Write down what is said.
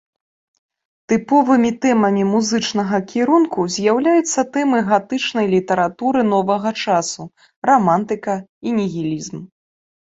Тыповымі тэмамі музычнага кірунку з'яўляюцца тэмы гатычнай літаратуры новага часу, рамантыка і нігілізм.